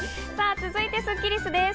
続いてスッキりすです。